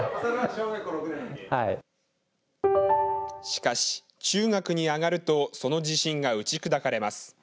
しかし、中学に上がるとその自信が打ち砕かれます。